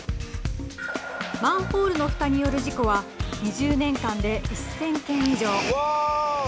マンホールのふたによる事故は２０年間で１０００件以上。